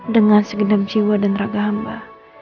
dengan segenap jiwa dan raga hamba